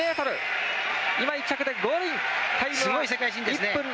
今、１着でゴールイン！